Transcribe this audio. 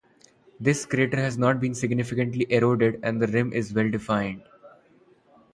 This crater has not been significantly eroded, and the rim is well-defined.